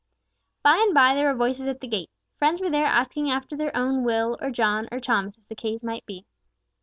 By and by there were voices at the gate. Friends were there asking after their own Will, or John, or Thomas, as the case might be.